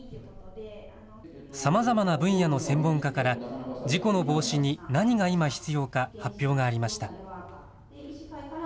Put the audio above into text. さまざまな分野の専門家から、事故の防止に何が今必要か、発表がありました。